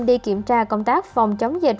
đi kiểm tra công tác phòng chống dịch